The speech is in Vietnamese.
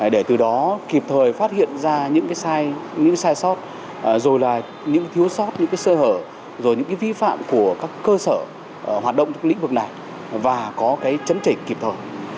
để từ đó kịp thời phát hiện ra những sai sót rồi là những thiếu sót những sơ hở rồi những vi phạm của các cơ sở hoạt động trong lĩnh vực này và có cái chấn chỉnh kịp thời